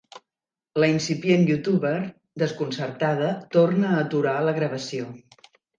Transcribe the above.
La incipient youtuber, desconcertada, torna a aturar la gravació.